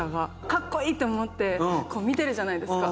カッコいい！と思って見てるじゃないですか。